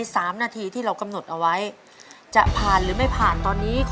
เสกรูปช่วงนี้